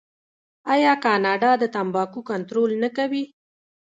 آیا کاناډا د تمباکو کنټرول نه کوي؟